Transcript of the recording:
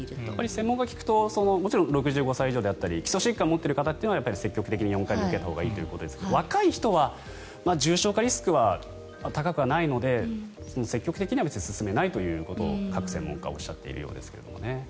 専門家に聞くともちろん６５歳以上であったり基礎疾患を持っている方は積極的に４回目やったほうがいいということで若い人は重症化リスクは高くはないので積極的には進めないということを各専門家はおっしゃっているようですね。